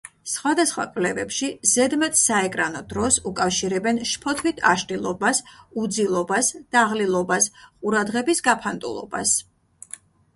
სხვადასხვა კვლევებში ზედმეტ საეკრანო დროს უკავშირებენ შფოთვით აშლილობას, უძილობას, დაღლილობას, ყურადღების გაფანტულობას.